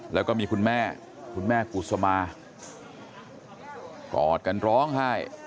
แล้วก็มีคุณแม่คุณแม่กุศมากอดกันร้องไห้